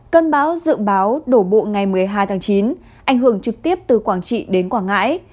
cơn bão dự báo đổ bộ ngày một mươi hai tháng chín ảnh hưởng trực tiếp từ quảng trị đến quảng ngãi